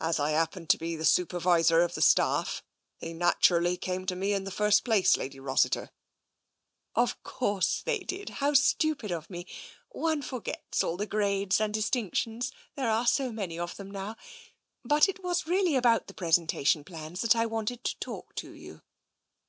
"As I happen to be Supervisor of the staff, they naturally came to me in the first place, Lady Rossiter." "Of course they did. How stupid of me! One forgets all the grades and distinctions, there are so many of them now. But it was really about the pres entation plans that I wanted to talk to you."